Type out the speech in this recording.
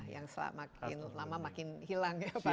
yang selama makin hilang ya pak